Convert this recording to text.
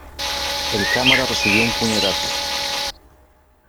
El cámara recibió un puñetazo.